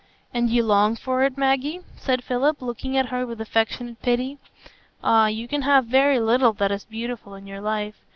"And you long for it, Maggie?" said Philip, looking at her with affectionate pity. "Ah, you can have very little that is beautiful in your life.